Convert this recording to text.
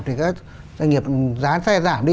thì các doanh nghiệp giá xe giảm đi